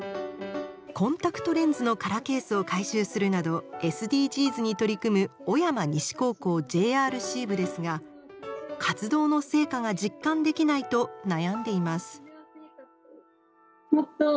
コンタクトレンズの空ケースを回収するなどＳＤＧｓに取り組む小山西高校ＪＲＣ部ですが活動の成果が実感できないと悩んでいます。